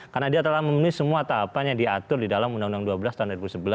karena dia telah memenuhi semua tahapannya diatur di dalam uu dua belas tahun dua ribu sebelas